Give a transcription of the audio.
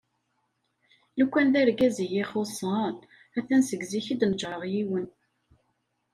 Lukan d argaz iyi-ixusen a-t-an seg zik i d-neǧǧreɣ yiwen.